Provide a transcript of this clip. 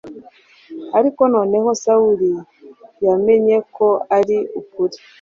ariko noneho Sawuli yamenye ko ari ukuri.